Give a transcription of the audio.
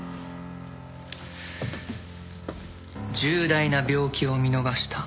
重大な病気を見逃した。